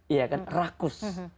iya kan rakus